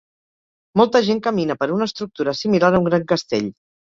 Molta gent camina per una estructura similar a un gran castell.